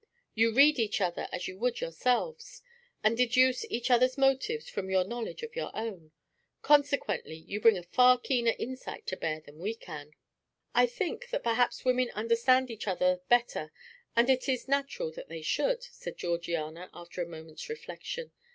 You read each other as you would yourselves, and deduce each other's motives from your knowledge of your own; consequently, you bring a far keener insight to bear than we can." "I think that perhaps women understand each other better, and it is natural that they should," said Georgiana, after a moment's reflection.